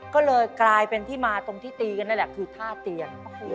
ก็เลยกลายเป็นที่มาตรงที่ตีกันนั่นแหละคือท่าเตียง